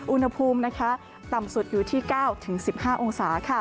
อุณหภูมิต่ำสุดอยู่ที่๙๑๕องศา